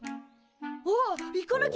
あっ行かなきゃ！